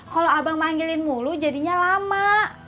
kalau abang manggilin mulu jadinya lama